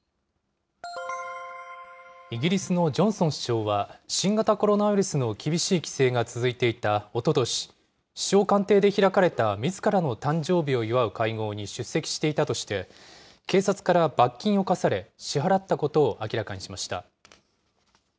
イギリスのジョンソン首相は、新型コロナウイルスの厳しい規制が続いていたおととし、首相官邸で開かれたみずからの誕生日を祝う会合に出席していたとして、警察から罰金を科され、支払ったことを明らかにしました。